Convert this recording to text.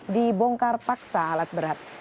dibongkar paksa alat berat